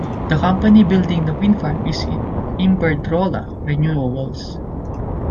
The company building the wind farm is Iberdrola Renewables.